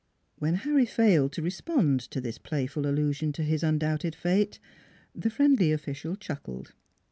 When Harry failed to respond to this playful allusion to his undoubted fate, the friendly official chuckled.